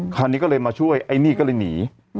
คราวนี้ก็เลยมาช่วยไอ้นี่ก็เลยหนี